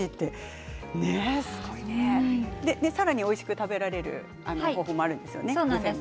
さらにおいしく食べられる方法もあるんですよね。